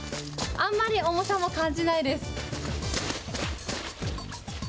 あんまり重さも感じないです。